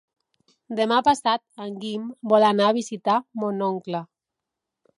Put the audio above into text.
Demà passat en Guim vol anar a visitar mon oncle.